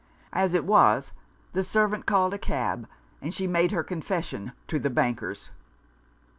As it was, the servant called a cab, and she made her confession to the bankers.